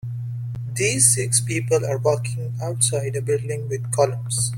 These six people are walking outside a building with columns.